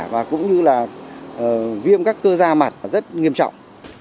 và cũng như là viêm các cơ da mặt rất nghiêm trọng